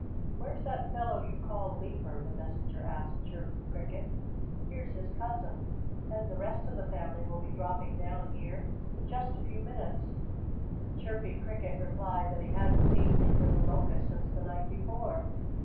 "Where's that fellow you call Leaper?" the messenger asked Chirpy Cricket. "Here's his cousin! And the rest of the family will be dropping down here in just a few minutes." Chirpy Cricket replied that he hadn't seen Leaper the Locust since the night before.